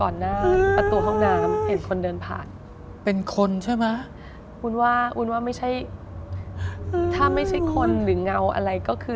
เราเดินหวดฉีกรอบ